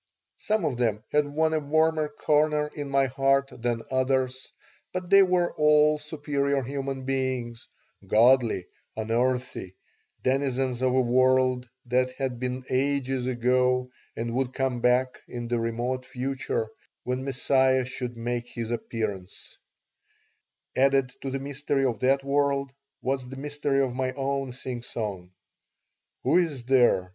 Some of them had won a warmer corner in my heart than others, but they were all superior human beings, godly, unearthly, denizens of a world that had been ages ago and would come back in the remote future when Messiah should make his appearance Added to the mystery of that world was the mystery of my own singsong. Who is there?